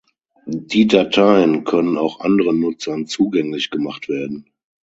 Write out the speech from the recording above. Die Dateien können auch anderen Nutzern zugänglich gemacht werden.